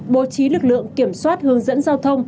bố trí lực lượng kiểm soát hướng dẫn giao thông